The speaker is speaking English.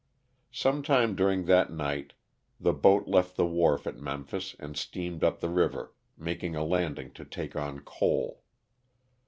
Some time during that night the boat left the wharf at Memphis and steamed up the river, making a landing to take on coal.